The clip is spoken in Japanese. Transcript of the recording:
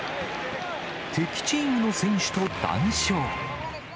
敵チームの選手と談笑。